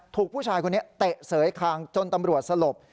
ถูกผู้ชายคนนี้เตะเสยคางจนตำรวจสลบ